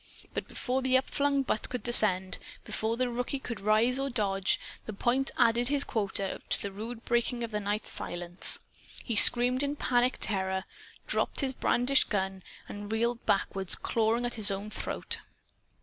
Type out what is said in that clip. But before the upflung butt could descend, before the rookie could rise or dodge, the point added his quota to the rude breaking of the night's silence. He screamed in panic terror, dropped his brandished gun and reeled backward, clawing at his own throat.